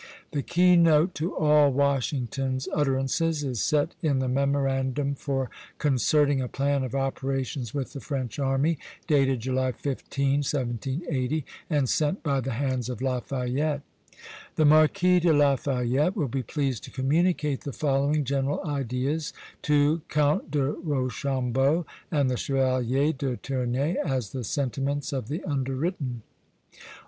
The keynote to all Washington's utterances is set in the "Memorandum for concerting a plan of operations with the French army," dated July 15, 1780, and sent by the hands of Lafayette: "The Marquis de Lafayette will be pleased to communicate the following general ideas to Count de Rochambeau and the Chevalier de Ternay, as the sentiments of the underwritten: "I.